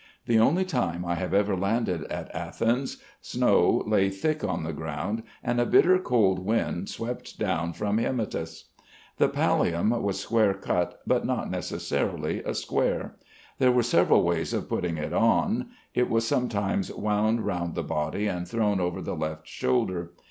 The only time I have ever landed at Athens snow lay thick on the ground, and a bitter cold wind swept down from Hymettus. The pallium was square cut, but not necessarily a square. There were several ways of putting it on. It was sometimes wound round the body and thrown over the left shoulder.